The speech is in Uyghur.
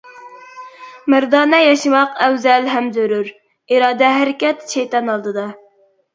مەردانە ياشىماق ئەۋزەل ھەم زۆرۈر، ئىرادە ھەرىكەت شەيتان ئالدىدا!